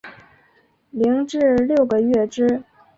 零至六个月之